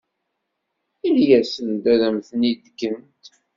Ini-asent ad am-ten-id-kent.